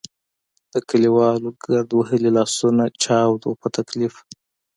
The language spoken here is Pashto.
د کلیوالو ګرد وهلي لاسونه چاود وو په تکلیف.